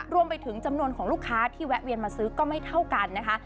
รวมไปถึงจำนวนของลูกค้าที่แวะเวียนมาซื้อก็ไม่เท่ากันนะคะ